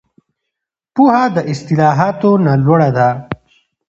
پوهه د اصطلاحاتو نه لوړه ده.